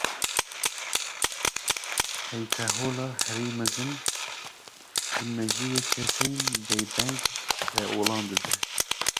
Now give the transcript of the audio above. Heytehola herî mezin, di mejiyê kesên bêdeng de olan dide.